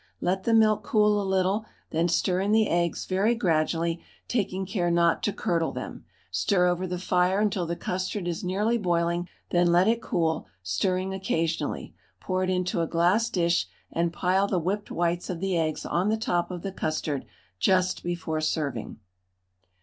Let the milk cool a little, then stir in the eggs very gradually, taking care not to curdle them; stir over the fire until the custard is nearly boiling, then let it cool, stirring occasionally; pour it into a glass dish, and pile the whipped whites of the eggs on the top of the custard just before serving.